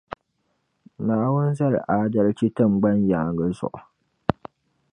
Naawuni zali aadalchi tiŋgbani yaaŋa zuɣu.